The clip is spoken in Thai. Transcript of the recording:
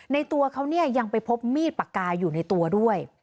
ตัวเขาเนี่ยยังไปพบมีดปากกายอยู่ในตัวด้วย